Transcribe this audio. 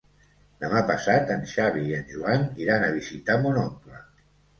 Demà passat en Xavi i en Joan iran a visitar mon oncle.